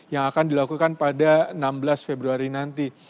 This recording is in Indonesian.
yang akan dilakukan pada enam belas februari nanti